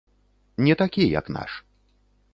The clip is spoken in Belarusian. Не такі, як наш.